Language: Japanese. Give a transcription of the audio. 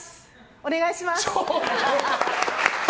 お願いします。